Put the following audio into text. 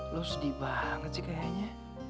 lo sedih banget sih kayaknya